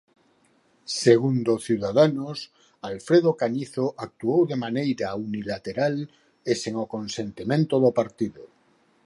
Segundo Ciudadanos, Alfredo Cañizo actuou de maneira unilateral e sen o consentimento do partido.